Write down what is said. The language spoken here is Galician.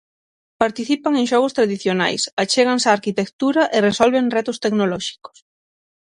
Participan en xogos tradicionais, achéganse á arquitectura e resolven retos tecnolóxicos.